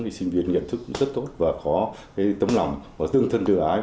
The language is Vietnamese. thì sinh viên nhận thức rất tốt và có cái tấm lòng và tương thân thương ái